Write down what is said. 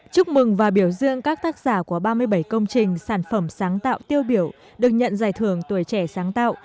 chúc mừng và biểu dương các tác giả của ba mươi bảy công trình sản phẩm sáng tạo tiêu biểu được nhận giải thưởng tuổi trẻ sáng tạo